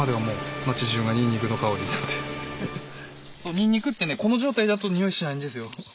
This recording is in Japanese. ニンニクってこの状態だとにおいしないんですよ。